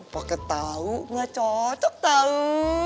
pokoknya tau gak cocok tau